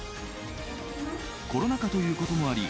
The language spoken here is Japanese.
コロナ禍ということもあり